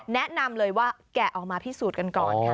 แนะนำเลยว่าแกะออกมาพิสูจน์กันก่อนค่ะ